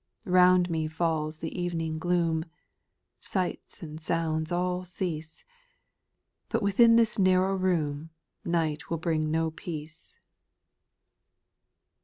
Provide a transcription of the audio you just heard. Round me falls the evening gloom, Sights and sounds all cease. But within this narrow room Night will bring no peaee.